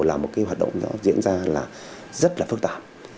là một hoạt động diễn ra rất phức tạp